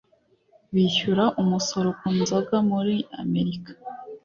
bishyura umusoro ku nzoga muri amerika